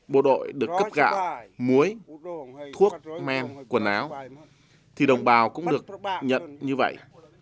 bộ đội được cấp gạo muối thuốc men quần áo thì đồng bào cũng được nhận như vậy